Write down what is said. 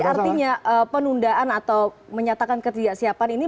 artinya penundaan atau menyatakan ketidaksiapan ini